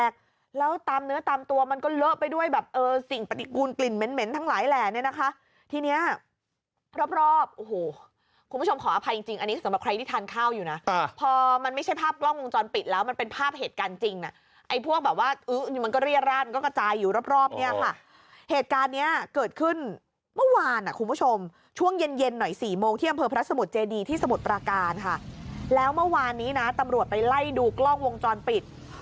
แล้วตามเนื้อตามตัวมันก็เลอะไปด้วยแบบเออสิ่งปฏิกูลกลิ่นเหม็นทั้งหลายแหล่เนี่ยนะคะที่เนี่ยรอบโอ้โหคุณผู้ชมขออภัยจริงอันนี้สำหรับใครที่ทานข้าวอยู่นะพอมันไม่ใช่ภาพกล้องวงจรปิดแล้วมันเป็นภาพเหตุการณ์จริงน่ะไอ้พวกแบบว่ามันก็เรียดร่านก็กระจายอยู่รอบเน